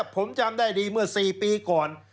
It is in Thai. ผมจำได้ดีเมื่อ๔ปีก่อน